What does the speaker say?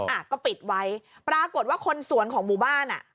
อ่ะก็ปิดไว้ปรากฏว่าคนสวนของหมู่บ้านอ่ะ